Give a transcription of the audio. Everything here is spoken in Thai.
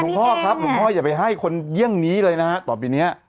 หลวงพ่อครับหลวงพ่อยอย่าไปให้คนเยี่ยงนี้เลยนะตอบอย่างนี้